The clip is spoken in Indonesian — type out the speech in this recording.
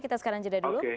kita sekarang jeda dulu